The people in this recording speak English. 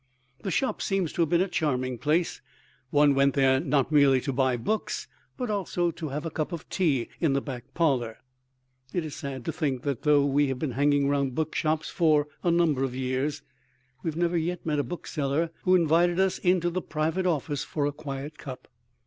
The shop seems to have been a charming place: one went there not merely to buy books, but also to have a cup of tea in the back parlor. It is sad to think that though we have been hanging round bookshops for a number of years, we have never yet met a bookseller who invited us into the private office for a quiet cup.